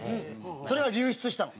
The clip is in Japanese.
それが流出したの。